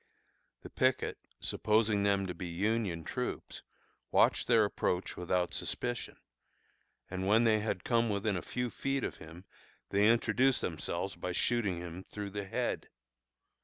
The picket, supposing them to be Union troops, watched their approach without suspicion; and when they had come within a few feet of him they introduced themselves by shooting him through the head.